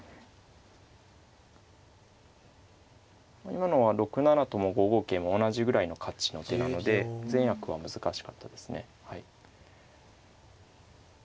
今のは６七とも５五桂も同じぐらいの価値の手なので善悪は難しかったですねはい。